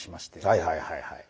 はいはいはいはい。